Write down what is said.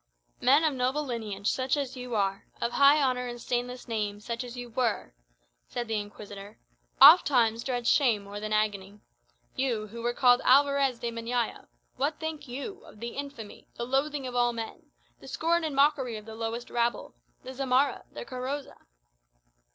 "Men of noble lineage, such as you are of high honour and stainless name, such as you were," said the Inquisitor "ofttimes dread shame more than agony. You, who were called Alvarez de Meñaya, what think you of the infamy, the loathing of all men, the scorn and mockery of the lowest rabble the zamarra, the carroza?"